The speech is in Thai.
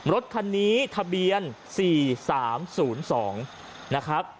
รถคันนี้ทะเบียน๔๓๐๒นะครับ